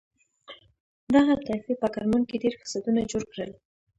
دغه طایفې په کرمان کې ډېر فسادونه جوړ کړل.